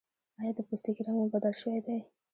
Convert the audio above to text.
ایا د پوستکي رنګ مو بدل شوی دی؟